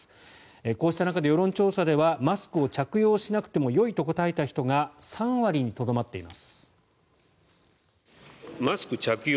こうした中で世論調査ではマスクを着用しなくてもよいと答えた人が３割にとどまっています。